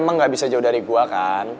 lo emang gak bisa jauh dari gue kan